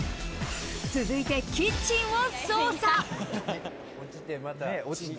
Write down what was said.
続いてキッチンを捜査。